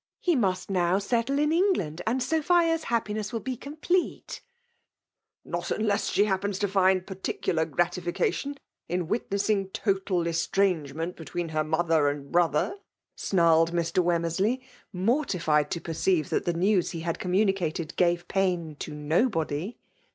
" He must now settle in England; and Sophia's happi^ ncss will be complete !" r '* Not unless she happen to find particular gratification in witnessing total estrangement between her mother and brother," snarled Mr. Wemmersley, mortified to perceive that the news he had communicated gave pain to nobody.